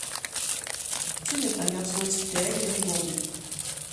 Tim est un garçon espiègle et dégourdi.